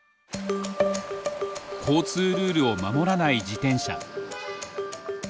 交通ルールを守らない自転車。